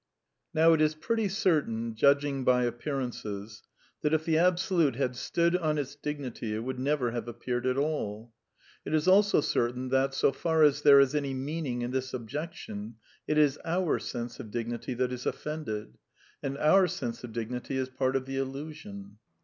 Now it is pretty certain, judging by appearances, that if the Absolute had stood on its dignity it would never have appeared at all. It is also certain that, so far as there is any meaning in this objection, it is our sense of dignity that is offended. And our sense of dignity is part of the illusion.